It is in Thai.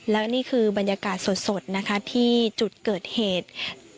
และนี่คือบรรยากาศสดนะคะที่จุดเกิดเหตุ